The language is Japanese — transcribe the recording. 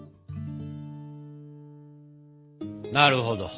なるほど！